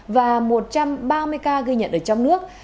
và một trăm ba mươi ca ghi nhận ở trong nước